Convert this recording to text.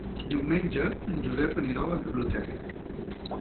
Diumenge en Josep anirà a la biblioteca.